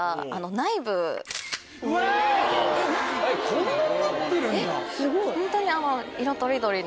こんなんなってるんだ！